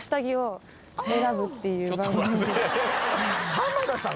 浜田さん